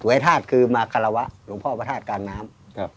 ธาตุคือมาคารวะหลวงพ่อพระธาตุกลางน้ำ